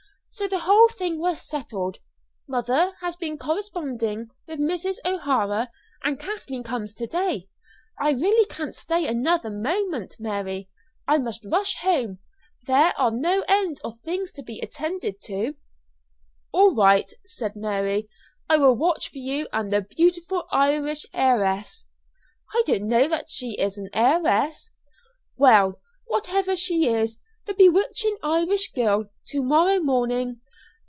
So the whole thing was settled; mother has been corresponding with Mrs. O'Hara, and Kathleen comes to day. I really can't stay another moment, Mary. I must rush home; there are no end of things to be attended to." "All right," said Mary. "I will watch for you and the beautiful Irish heiress " "I don't know that she is an heiress." "Well, whatever she is the bewitching Irish girl to morrow morning.